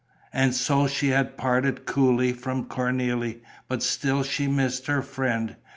And so she had parted coolly from Cornélie; but still she missed her friend.